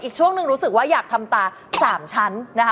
ช่วงหนึ่งรู้สึกว่าอยากทำตา๓ชั้นนะคะ